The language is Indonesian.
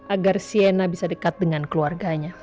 agar siena bisa dekat dengan keluarganya